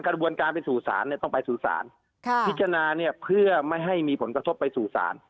กระบวนการไปสู่ศาลเนี่ยต้องไปสู่ศาลพิจารณาเนี่ยเพื่อไม่ให้มีผลกระทบไปสู่ศาล